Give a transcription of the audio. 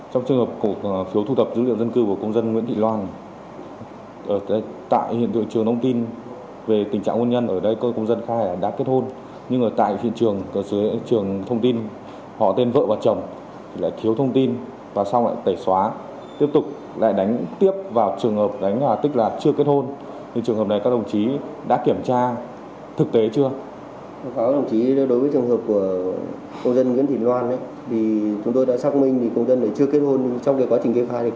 chỉ đối với trường hợp của công dân nguyễn thị loan chúng tôi đã xác minh công dân chưa kết hôn trong quá trình kết hôn công dân kết hôn rồi